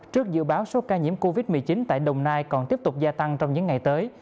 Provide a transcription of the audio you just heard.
trước dự báo số ca nhiễm covid một mươi chín tại đồng nai còn tiếp tục gia tăng trong những ngày tới